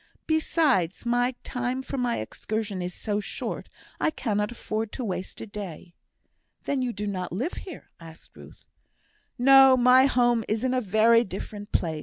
Besides, my time for my excursion is so short, I cannot afford to waste a day." "Then, you do not live here?" asked Ruth. "No! my home is in a very different place.